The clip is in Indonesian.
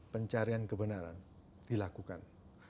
pencarian kebenaran dilakukan